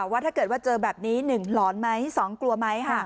ว่าถ้าเกิดว่าเจอแบบนี้๑หลอนไหม๒กลัวไหม